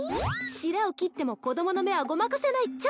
しらを切っても子供の目はごまかせないっちゃ。